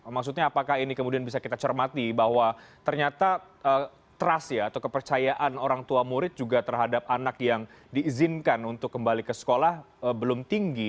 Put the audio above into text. maksudnya apakah ini kemudian bisa kita cermati bahwa ternyata trust ya atau kepercayaan orang tua murid juga terhadap anak yang diizinkan untuk kembali ke sekolah belum tinggi